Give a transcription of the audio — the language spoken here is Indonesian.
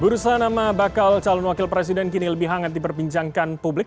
bursa nama bakal calon wakil presiden kini lebih hangat diperbincangkan publik